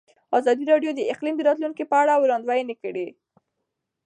ازادي راډیو د اقلیم د راتلونکې په اړه وړاندوینې کړې.